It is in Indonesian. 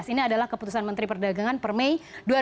ini adalah keputusan menteri perdagangan per mei dua ribu dua puluh